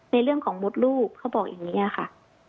ในเรื่องของมดลูกเขาบอกอย่างนี้ค่ะ